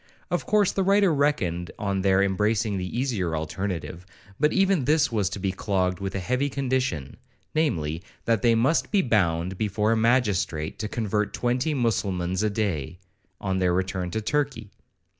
Of course the writer reckoned on their embracing the easier alternative, but even this was to be clogged with a heavy condition,—namely, that they must be bound before a magistrate to convert twenty mussulmans a day, on their return to Turkey.